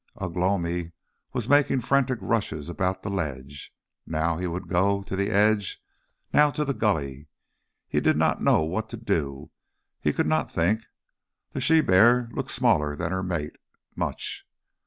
Ugh lomi was making frantic rushes about the ledge now he would go to the edge, now to the gully. He did not know what to do, he could not think. The she bear looked smaller than her mate much.